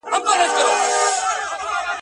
نه په خپل کور کي ساتلي نه د خدای په کور کي امن